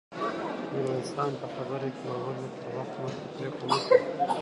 ميرويس خان په خبره کې ور ولوېد: تر وخت مخکې پرېکړه مه کوه!